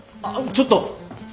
ちょっと。